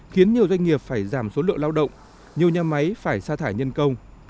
khiến nhiều doanh nghiệp phải giảm số lượng lao động nhiều nhà máy phải xa thải nhân công